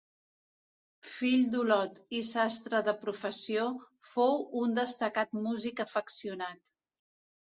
Fill d’Olot i sastre de professió, fou un destacat músic afeccionat.